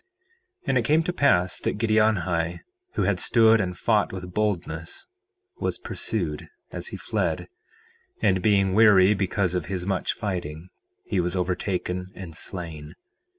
4:14 And it came to pass that Giddianhi, who had stood and fought with boldness, was pursued as he fled; and being weary because of his much fighting he was overtaken and slain.